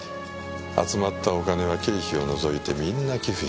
集まったお金は経費を除いてみんな寄付しちゃう。